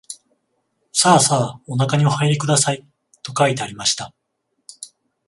さあさあおなかにおはいりください、と書いてありました